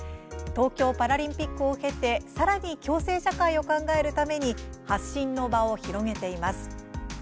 東京パラリンピックを経てさらに「共生社会」を考えるために発信の場を広げています。